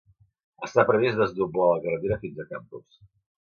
Està previst desdoblar la carretera fins a Campos.